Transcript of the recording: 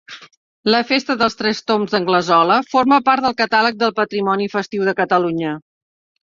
La festa dels Tres Tombs d'Anglesola forma part del Catàleg del Patrimoni festiu de Catalunya.